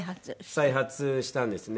再発したんですね。